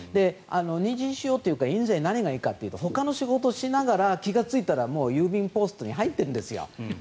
二次使用というか印税何がいいかというとほかの仕事をしながら気がついたら郵便ポストに入っているんですよ。